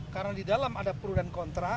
karena di dalam ada pro dan kontra